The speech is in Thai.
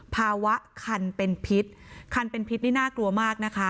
คันเป็นพิษคันเป็นพิษนี่น่ากลัวมากนะคะ